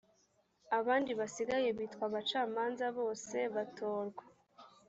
abandi basigaye bitwa abacamanza bose batorwa